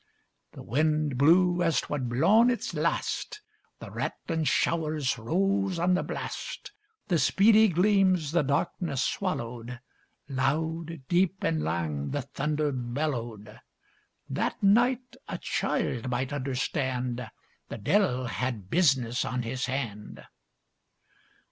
The wind blew as 'twad blawn its last; The rattlin' showers rose on the blast; The speedy gleams the darkness swallowed; Loud, deep, and lang the thunder bellowed: That night, a child might understand, The de'il had business on his hand.